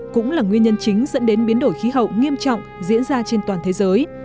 cũng là nguyên nhân chính dẫn đến biến đổi khí hậu nghiêm trọng diễn ra trên toàn thế giới